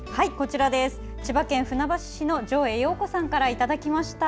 千葉県船橋市の城永洋子さんからいただきました。